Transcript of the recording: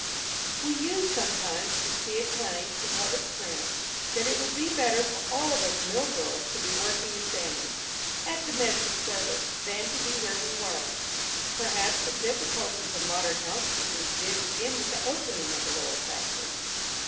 We used sometimes to see it claimed, in public prints, that it would be better for all of us mill girls to be working in families, at domestic service, than to be where we were. Perhaps the difficulties of modern housekeepers did begin with the opening of the Lowell factories.